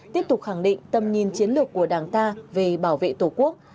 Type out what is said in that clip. tiếp tục khẳng định tầm nhìn chiến lược của đảng ta về bảo vệ tổ quốc